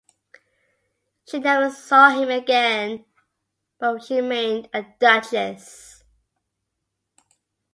She never saw him again, but she remained a duchess.